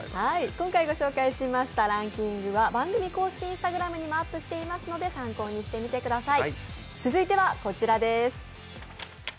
今回、ご紹介しましたランキングは番組公式Ｉｎｓｔａｇｒａｍにもアップしていますので、参考にしてみてください。